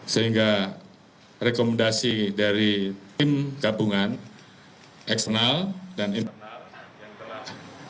sehingga rekomendasi dari tim gabungan eksternal dan internal